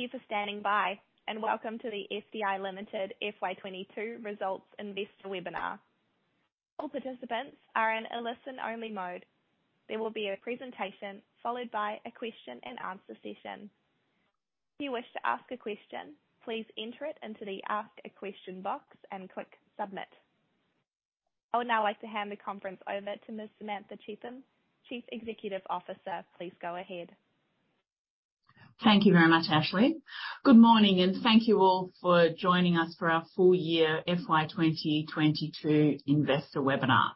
Thank you for standing by and welcome to the SDI Limited FY 2022 results investor webinar. All participants are in a listen-only mode. There will be a presentation followed by a question and answer session. If you wish to ask a question, please enter it into the Ask a Question box and click Submit. I would now like to hand the conference over to Ms. Samantha Cheetham, Chief Executive Officer. Please go ahead. Thank you very much, Ashley. Good morning, and thank you all for joining us for our full-year FY 2022 investor webinar.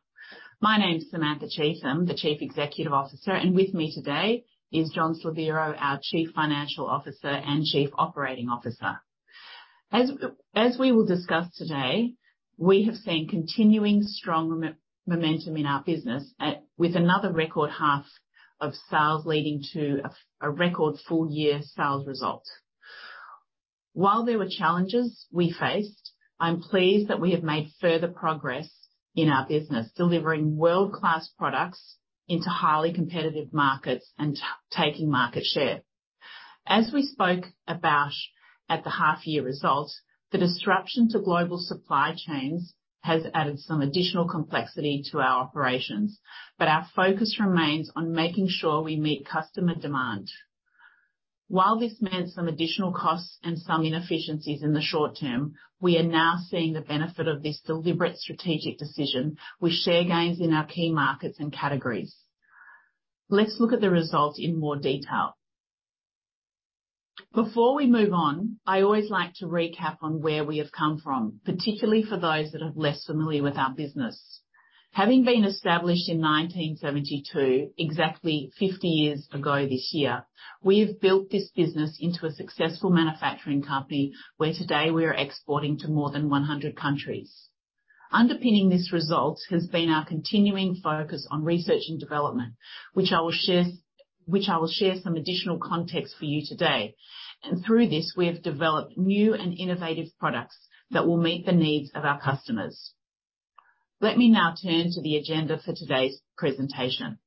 My name's Samantha Cheetham, the Chief Executive Officer, and with me today is John Slaviero, our Chief Financial Officer and Chief Operating Officer. As we will discuss today, we have seen continuing strong momentum in our business with another record half of sales leading to a record full year sales result. While there were challenges we faced, I'm pleased that we have made further progress in our business, delivering world-class products into highly competitive markets and taking market share. As we spoke about at the half year results, the disruption to global supply chains has added some additional complexity to our operations, but our focus remains on making sure we meet customer demand. While this meant some additional costs and some inefficiencies in the short term, we are now seeing the benefit of this deliberate strategic decision with share gains in our key markets and categories. Let's look at the results in more detail. Before we move on, I always like to recap on where we have come from, particularly for those that are less familiar with our business. Having been established in 1972, exactly 50 years ago this year, we have built this business into a successful manufacturing company, where today we are exporting to more than 100 countries. Underpinning this result has been our continuing focus on research and development, which I will share some additional context for you today. Through this, we have developed new and innovative products that will meet the needs of our customers. Let me now turn to the agenda for today's presentation.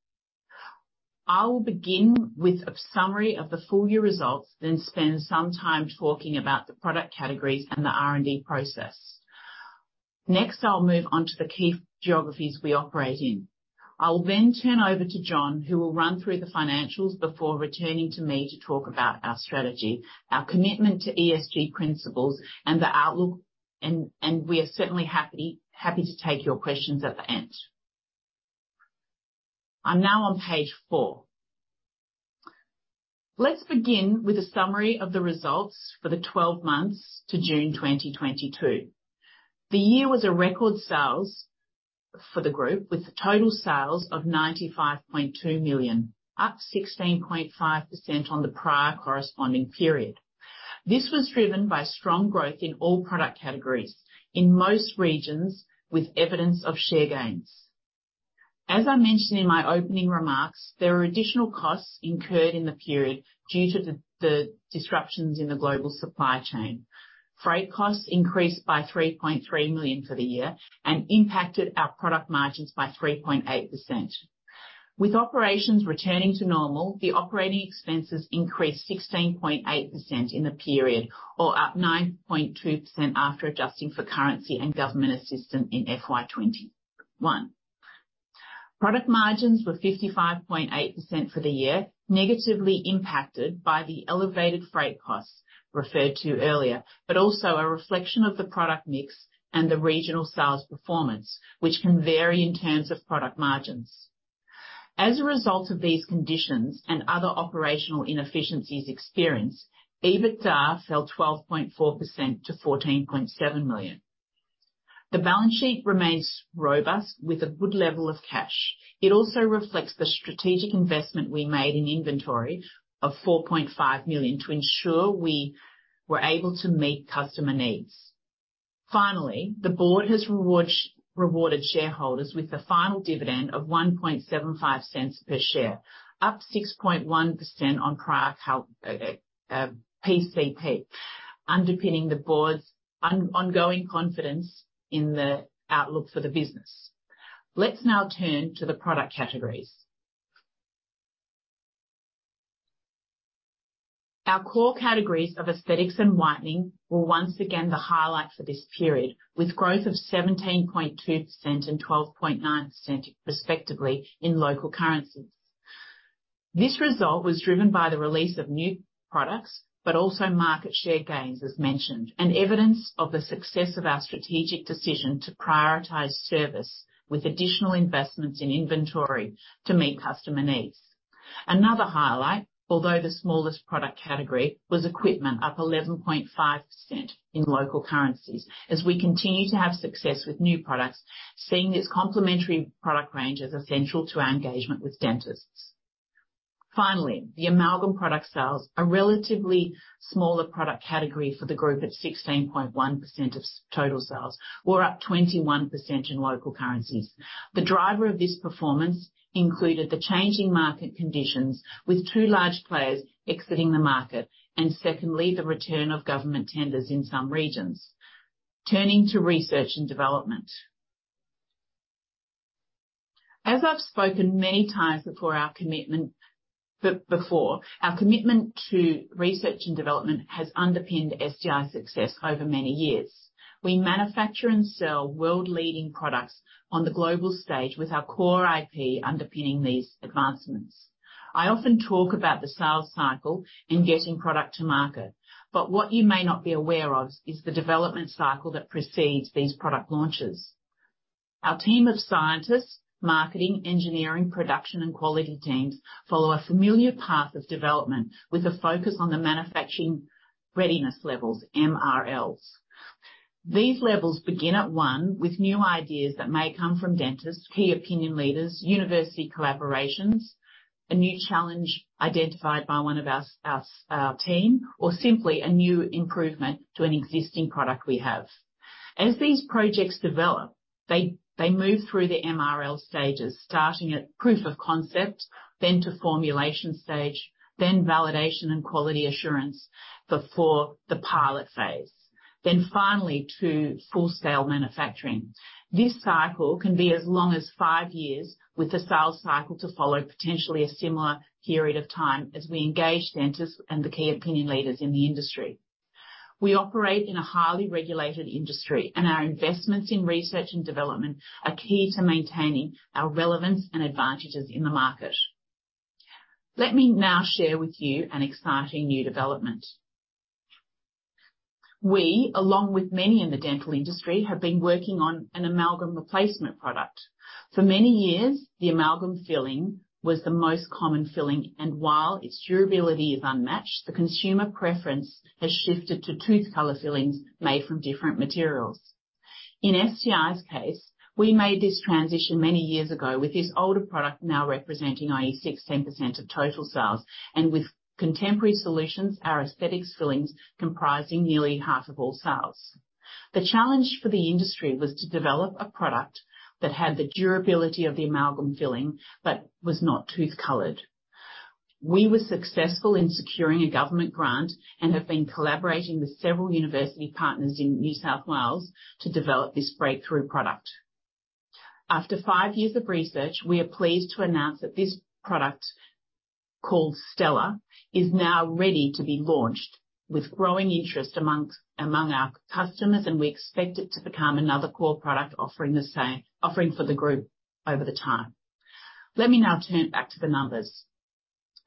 I will begin with a summary of the full-year results, then spend some time talking about the product categories and the R&D process. Next, I'll move on to the key geographies we operate in. I will then turn over to John, who will run through the financials before returning to me to talk about our strategy, our commitment to ESG principles and the outlook, and we are certainly happy to take your questions at the end. I'm now on page 4. Let's begin with a summary of the results for the 12 months to June 2022. The year was a record sales for the group, with total sales of 95.2 million, up 16.5% on the prior corresponding period. This was driven by strong growth in all product categories in most regions with evidence of share gains. As I mentioned in my opening remarks, there were additional costs incurred in the period due to the disruptions in the global supply chain. Freight costs increased by 3.3 million for the year and impacted our product margins by 3.8%. With operations returning to normal, the operating expenses increased 16.8% in the period, or up 9.2% after adjusting for currency and government assistance in FY 2021. Product margins were 55.8% for the year, negatively impacted by the elevated freight costs referred to earlier, but also a reflection of the product mix and the regional sales performance, which can vary in terms of product margins. As a result of these conditions and other operational inefficiencies experienced, EBITDA fell 12.4% to 14.7 million. The balance sheet remains robust with a good level of cash. It also reflects the strategic investment we made in inventory of 4.5 million to ensure we were able to meet customer needs. Finally, the board has rewarded shareholders with the final dividend of 1.75 cents per share, up 6.1% on prior PCP, underpinning the board's ongoing confidence in the outlook for the business. Let's now turn to the product categories. Our core categories of aesthetics and whitening were once again the highlight for this period, with growth of 17.2% and 12.9% respectively in local currencies. This result was driven by the release of new products, but also market share gains as mentioned, and evidence of the success of our strategic decision to prioritize service with additional investments in inventory to meet customer needs. Another highlight, although the smallest product category, was equipment up 11.5% in local currencies as we continue to have success with new products, seeing its complementary product range as essential to our engagement with dentists. Finally, the amalgam product sales, a relatively smaller product category for the group at 16.1% of SDI total sales, were up 21% in local currencies. The driver of this performance included the changing market conditions, with two large players exiting the market and secondly, the return of government tenders in some regions. Turning to research and development. As I've spoken many times before, our commitment to research and development has underpinned SDI success over many years. We manufacture and sell world-leading products on the global stage with our core IP underpinning these advancements. I often talk about the sales cycle in getting product to market, but what you may not be aware of is the development cycle that precedes these product launches. Our team of scientists, marketing, engineering, production and quality teams follow a familiar path of development with a focus on the manufacturing readiness levels, MRLs. These levels begin at one with new ideas that may come from dentists, key opinion leaders, university collaborations, a new challenge identified by one of our team, or simply a new improvement to an existing product we have. As these projects develop, they move through the MRL stages, starting at proof of concept, then to formulation stage, then validation and quality assurance before the pilot phase, then finally to full scale manufacturing. This cycle can be as long as five years, with the sales cycle to follow potentially a similar period of time as we engage dentists and the key opinion leaders in the industry. We operate in a highly regulated industry, and our investments in research and development are key to maintaining our relevance and advantages in the market. Let me now share with you an exciting new development. We, along with many in the dental industry, have been working on an amalgam replacement product. For many years, the amalgam filling was the most common filling, and while its durability is unmatched, the consumer preference has shifted to tooth-color fillings made from different materials. In SDI's case, we made this transition many years ago with this older product now representing only 16% of total sales and with contemporary solutions, our aesthetics fillings comprising nearly half of all sales. The challenge for the industry was to develop a product that had the durability of the amalgam filling but was not tooth-colored. We were successful in securing a government grant and have been collaborating with several university partners in New South Wales to develop this breakthrough product. After five years of research, we are pleased to announce that this product, called Stela, is now ready to be launched with growing interest among our customers and we expect it to become another core product, offering for the group over the time. Let me now turn back to the numbers,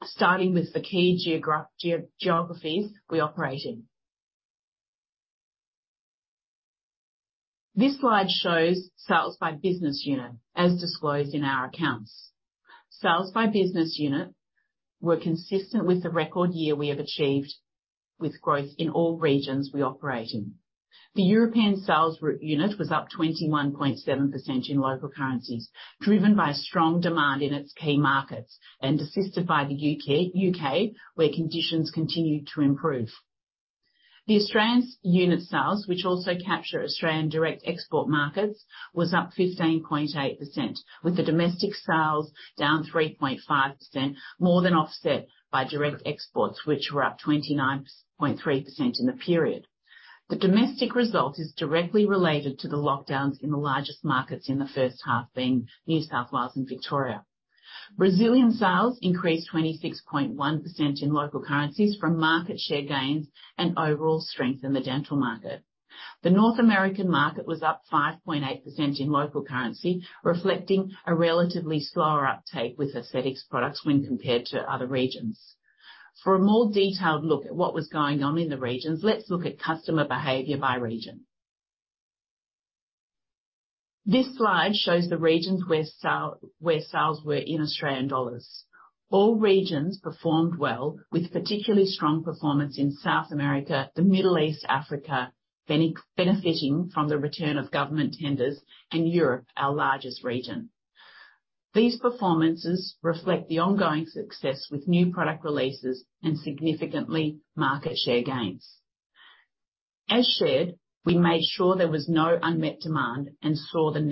starting with the key geographies we operate in. This slide shows sales by business unit, as disclosed in our accounts. Sales by business unit were consistent with the record year we have achieved with growth in all regions we operate in. The European sales unit was up 21.7% in local currencies, driven by strong demand in its key markets and assisted by the U.K., where conditions continued to improve. The Australian unit sales, which also capture Australian direct export markets, was up 15.8%, with the domestic sales down 3.5% more than offset by direct exports, which were up 29.3% in the period. The domestic result is directly related to the lockdowns in the largest markets in the first half being New South Wales and Victoria. Brazilian sales increased 26.1% in local currencies from market share gains and overall strength in the dental market. The North American market was up 5.8% in local currency, reflecting a relatively slower uptake with aesthetics products when compared to other regions. For a more detailed look at what was going on in the regions, let's look at customer behavior by region. This slide shows the regions where sales were in Australian dollars. All regions performed well, with particularly strong performance in South America, the Middle East, Africa benefiting from the return of government tenders and Europe, our largest region. These performances reflect the ongoing success with new product releases and significant market share gains. As shared, we made sure there was no unmet demand and saw the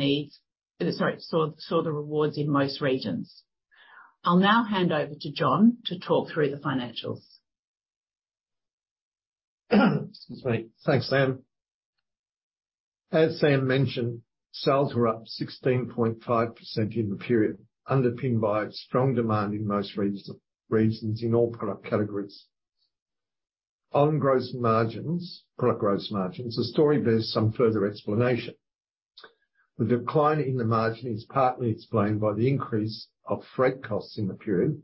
rewards in most regions. I'll now hand over to John to talk through the financials. Excuse me. Thanks, Sam. As Sam mentioned, sales were up 16.5% in the period, underpinned by strong demand in most regions in all product categories. On gross margins, the story bears some further explanation. The decline in the margin is partly explained by the increase of freight costs in the period,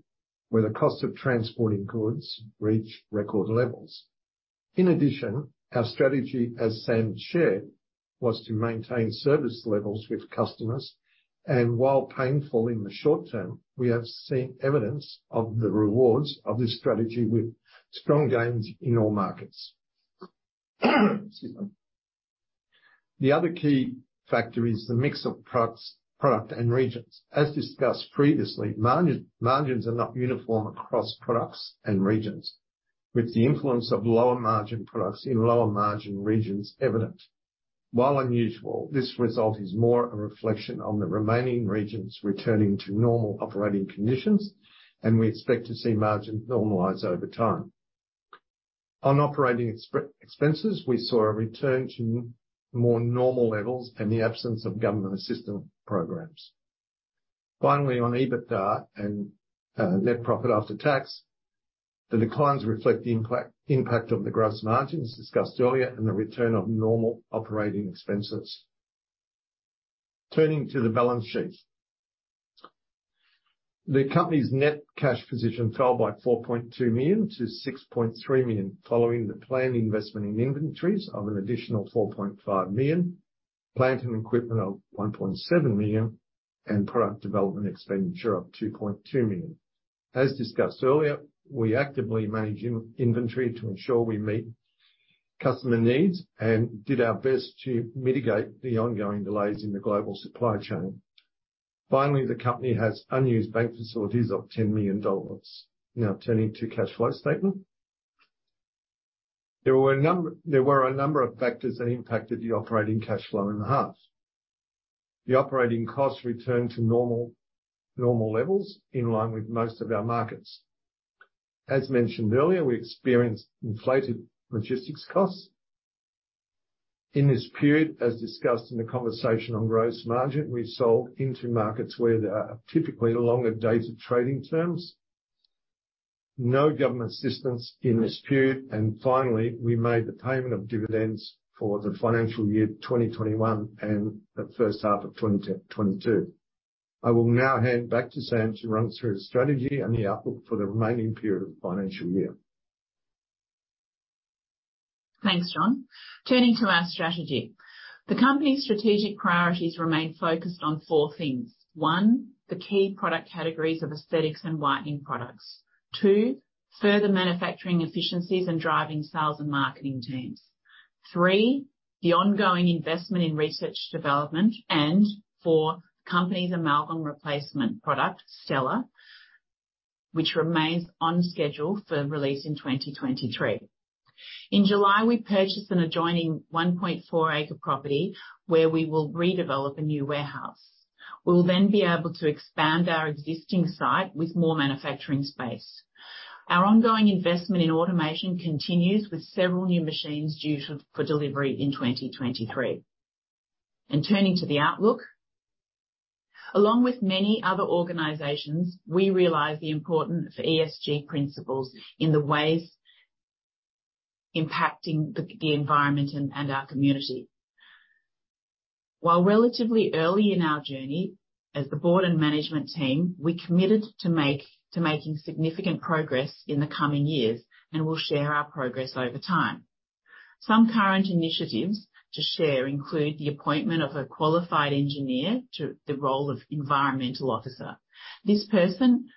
where the cost of transporting goods reached record levels. In addition, our strategy, as Sam shared, was to maintain service levels with customers, and while painful in the short term, we have seen evidence of the rewards of this strategy with strong gains in all markets. Excuse me. The other key factor is the mix of products and regions. As discussed previously, margins are not uniform across products and regions, with the influence of lower margin products in lower margin regions evident. While unusual, this result is more a reflection on the remaining regions returning to normal operating conditions, and we expect to see margins normalize over time. On operating expenses, we saw a return to more normal levels and the absence of government assistance programs. Finally, on EBITDA and net profit after tax, the declines reflect the impact of the gross margins discussed earlier and the return of normal operating expenses. Turning to the balance sheet. The company's net cash position fell by 4.2 million to 6.3 million, following the planned investment in inventories of an additional 4.5 million, plant and equipment of 1.7 million, and product development expenditure of 2.2 million. As discussed earlier, we actively manage inventory to ensure we meet customer needs and did our best to mitigate the ongoing delays in the global supply chain. Finally, the company has unused bank facilities of 10 million dollars. Now turning to cash flow statement. There were a number of factors that impacted the operating cash flow in the half. The operating costs returned to normal levels in line with most of our markets. As mentioned earlier, we experienced inflated logistics costs. In this period, as discussed in the conversation on gross margin, we sold into markets where there are typically longer days of trading terms. No government assistance in this period. Finally, we made the payment of dividends for the financial year 2021 and the first half of 2022. I will now hand back to Sam to run through the strategy and the outlook for the remaining period of the financial year. Thanks, John. Turning to our strategy. The company's strategic priorities remain focused on four things. One, the key product categories of aesthetics and whitening products. Two, further manufacturing efficiencies and driving sales and marketing teams. Three, the ongoing investment in research and development. Four, company's amalgam replacement product, Stela, which remains on schedule for release in 2023. In July, we purchased an adjoining 1.4-acre property where we will redevelop a new warehouse. We will then be able to expand our existing site with more manufacturing space. Our ongoing investment in automation continues, with several new machines due for delivery in 2023. Turning to the outlook. Along with many other organizations, we realize the importance of ESG principles in the ways impacting the environment and our community. While relatively early in our journey as the board and management team, we're committed to making significant progress in the coming years, and we'll share our progress over time. Some current initiatives to share include the appointment of a qualified engineer to the role of environmental officer. This person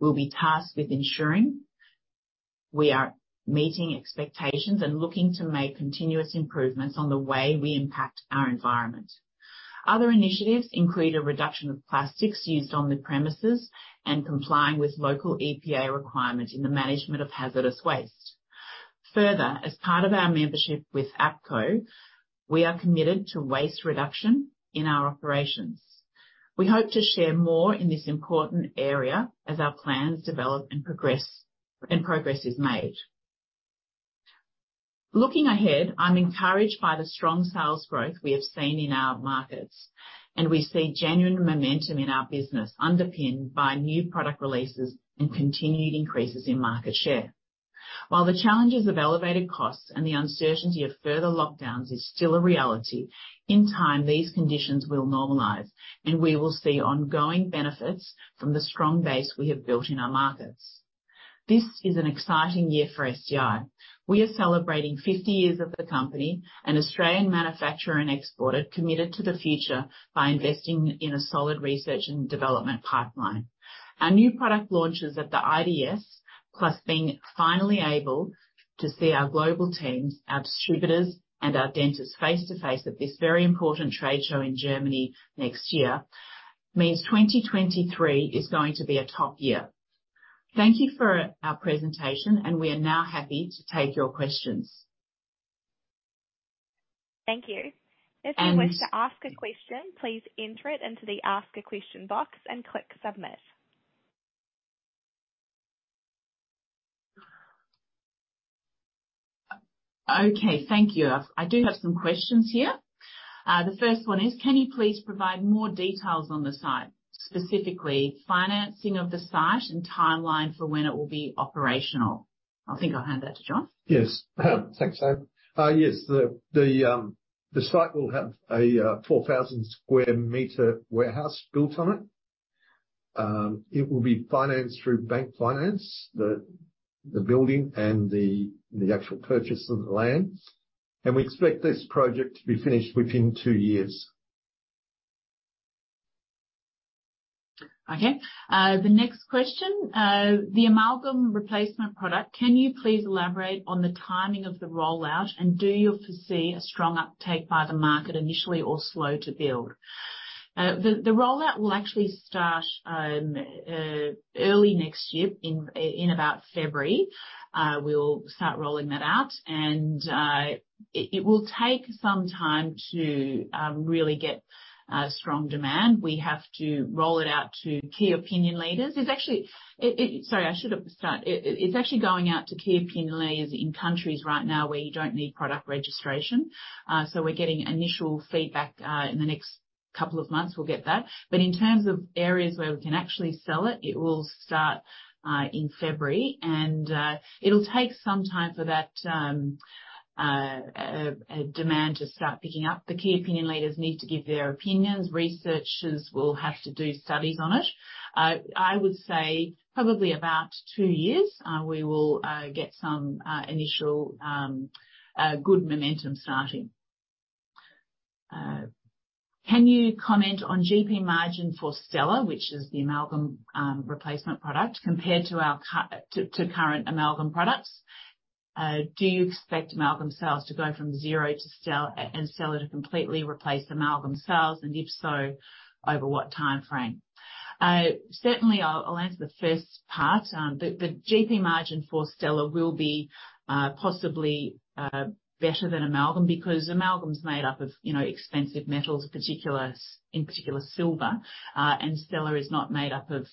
will be tasked with ensuring we are meeting expectations and looking to make continuous improvements on the way we impact our environment. Other initiatives include a reduction of plastics used on the premises and complying with local EPA requirements in the management of hazardous waste. Further, as part of our membership with APCO, we are committed to waste reduction in our operations. We hope to share more in this important area as our plans develop and progress is made. Looking ahead, I'm encouraged by the strong sales growth we have seen in our markets, and we see genuine momentum in our business underpinned by new product releases and continued increases in market share. While the challenges of elevated costs and the uncertainty of further lockdowns is still a reality, in time, these conditions will normalize, and we will see ongoing benefits from the strong base we have built in our markets. This is an exciting year for SDI. We are celebrating 50 years of the company, an Australian manufacturer and exporter committed to the future by investing in a solid research and development pipeline. Our new product launches at the IDS, plus being finally able to see our global teams, our distributors, and our dentists face-to-face at this very important trade show in Germany next year, means 2023 is going to be a top year. Thank you for our presentation, and we are now happy to take your questions. Thank you. And- If you wish to ask a question, please enter it into the Ask a Question box and click Submit. Okay. Thank you. I do have some questions here. The first one is, can you please provide more details on the site, specifically financing of the site and timeline for when it will be operational? I think I'll hand that to John. Yes. Thanks, Sam. Yes. The site will have a 4,000 sq m warehouse built on it. It will be financed through bank finance, the building and the actual purchase of the land. We expect this project to be finished within two years. Okay. The next question. The amalgam replacement product, can you please elaborate on the timing of the rollout, and do you foresee a strong uptake by the market initially or slow to build? The rollout will actually start early next year. In about February, we'll start rolling that out. It will take some time to really get strong demand. We have to roll it out to key opinion leaders. Sorry, I should have started. It's actually going out to key opinion leaders in countries right now where you don't need product registration. So we're getting initial feedback. In the next couple of months, we'll get that. In terms of areas where we can actually sell it will start in February. It'll take some time for that demand to start picking up. The key opinion leaders need to give their opinions. Researchers will have to do studies on it. I would say probably about two years we will get some initial good momentum starting. Can you comment on GP margin for Stela, which is the amalgam replacement product, compared to our current amalgam products? Do you expect amalgam sales to go from 0 to Stela and Stela to completely replace amalgam sales? If so, over what timeframe? Certainly I'll answer the first part. The GP margin for Stela will be possibly better than amalgam because amalgam is made up of you know expensive metals in particular silver. Stela is not made up of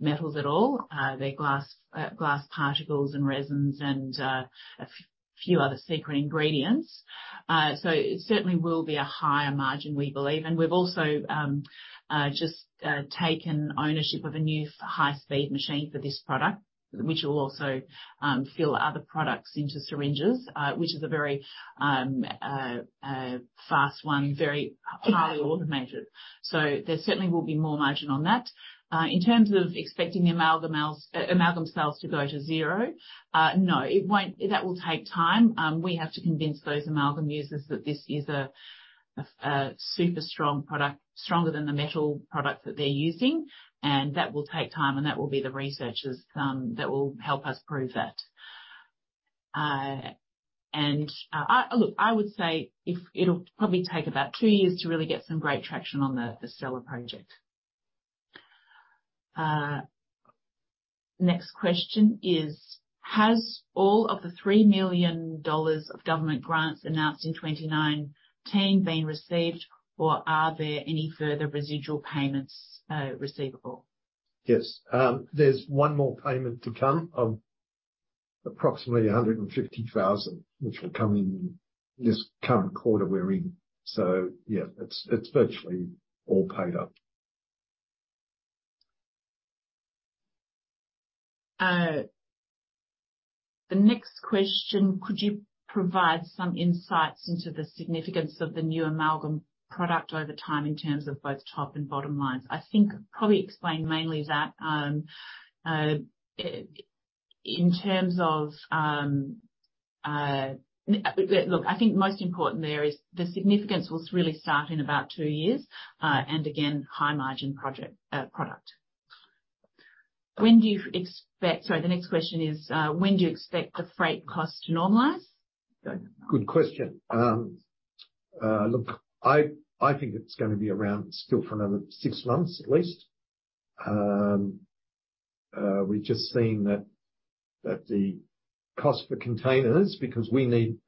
metals at all. They're glass particles and resins and a few other secret ingredients. It certainly will be a higher margin, we believe. We've also just taken ownership of a new high-speed machine for this product, which will also fill other products into syringes. Which is a very fast one, very highly automated. There certainly will be more margin on that. In terms of expecting the amalgam sales to go to zero, no, it won't. That will take time. We have to convince those amalgam users that this is a super strong product, stronger than the metal product that they're using. That will take time, and that will be the researchers that will help us prove that. Look, I would say it'll probably take about two years to really get some great traction on the Stela project. Next question is: Has all of the 3 million dollars of government grants announced in 2019 been received, or are there any further residual payments receivable? Yes. There's one more payment to come of approximately 150,000, which will come in this current quarter we're in. Yeah, it's virtually all paid up. The next question: Could you provide some insights into the significance of the new amalgam product over time in terms of both top and bottom lines? I think I've probably explained mainly that. Look, I think most important there is the significance will really start in about two years, and again, high-margin project, product. The next question is: When do you expect the freight costs to normalize? Good question. Look, I think it's gonna be around still for another six months at least. We've just seen that the cost for containers, because we need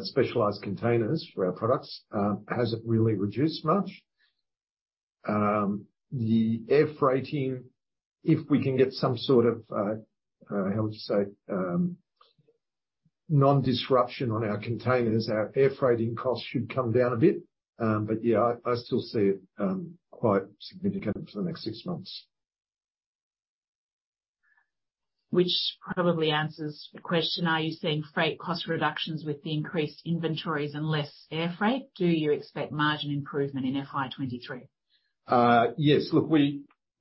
specialized containers for our products, hasn't really reduced much. The air freighting, if we can get some sort of non-disruption on our containers, our air freighting costs should come down a bit. Yeah, I still see it quite significant for the next six months. Which probably answers the question: Are you seeing freight cost reductions with the increased inventories and less air freight? Do you expect margin improvement in FY 2023? Yes. Look,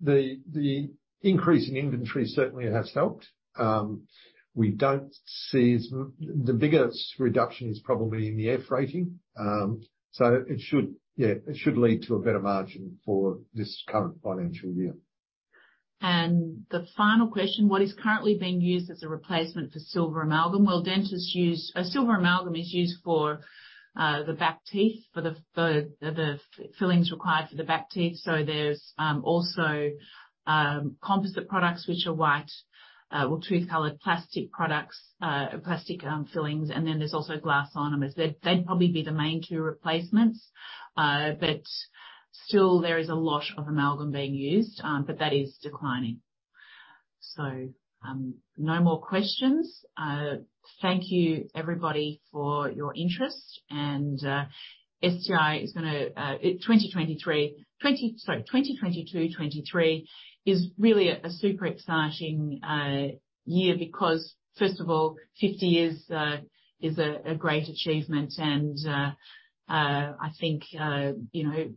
the increase in inventory certainly has helped. The biggest reduction is probably in the air freighting. It should lead to a better margin for this current financial year. The final question: What is currently being used as a replacement for silver amalgam? Well, a silver amalgam is used for the back teeth, for the fillings required for the back teeth. There's also composite products which are white or tooth-colored plastic products, plastic fillings. Then there's also glass ionomers. They'd probably be the main two replacements. But still, there is a lot of amalgam being used, but that is declining. No more questions. Thank you, everybody, for your interest. SDI is gonna in 2022-2023 is really a super exciting year because first of all, 50 years is a great achievement. I think, you know,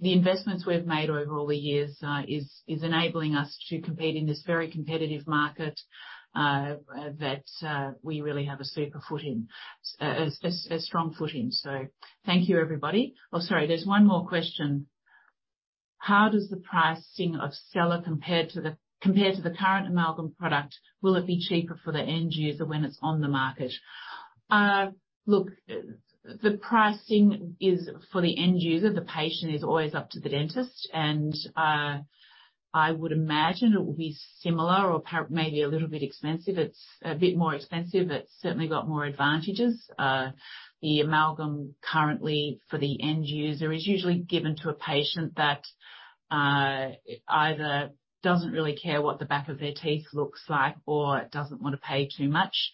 the investments we've made over all the years is enabling us to compete in this very competitive market that we really have a strong foothold in. Thank you, everybody. Oh, sorry. There's one more question. How does the pricing of Stela compare to the current amalgam product? Will it be cheaper for the end user when it's on the market? Look, the pricing is for the end user, the patient, is always up to the dentist, and I would imagine it will be similar or maybe a little bit expensive. It's a bit more expensive. It's certainly got more advantages. The amalgam currently for the end user is usually given to a patient that either doesn't really care what the back of their teeth looks like or doesn't wanna pay too much.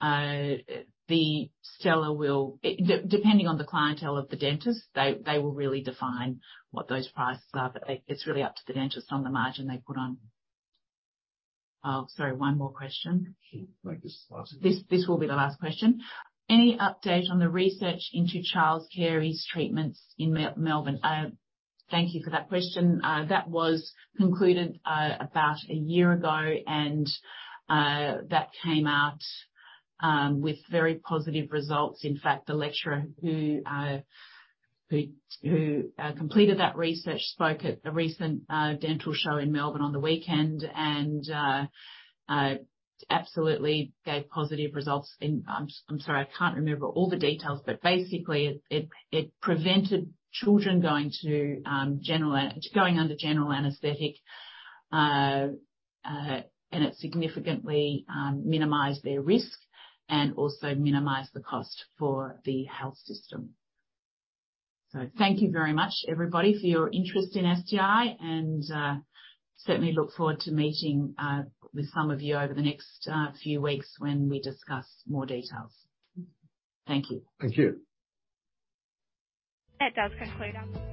The Stela will, depending on the clientele of the dentist, they will really define what those prices are, but it's really up to the dentist on the margin they put on. Oh, sorry, one more question. Make this the last one. This will be the last question. Any update on the research into childhood caries treatments in Melbourne? Thank you for that question. That was concluded about a year ago, and that came out with very positive results. In fact, the lecturer who completed that research spoke at a recent dental show in Melbourne on the weekend, and absolutely gave positive results. I'm sorry, I can't remember all the details, but basically it prevented children going under general anesthetic. It significantly minimized their risks and also minimized the cost for the health system. Thank you very much, everybody, for your interest in SDI, and certainly look forward to meeting with some of you over the next few weeks when we discuss more details. Thank you. Thank you. That does conclude.